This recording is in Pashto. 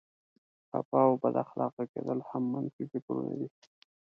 خفه او بد اخلاقه کېدل هم منفي فکرونه دي.